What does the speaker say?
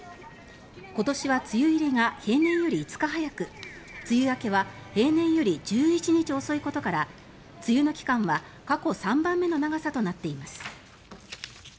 今年は梅雨入りが平年より５日早く梅雨明けは平年より１１日遅いことから梅雨の期間は過去３番目の長さとなっています。